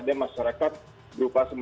dan juga untuk masyarakat yang berada di sini